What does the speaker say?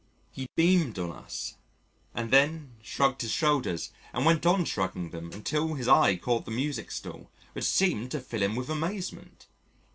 He beamed on us and then shrugged his shoulders and went on shrugging them until his eye caught the music stool, which seemed to fill him with amazement.